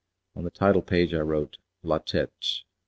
On the title page I wrote, 'latet'.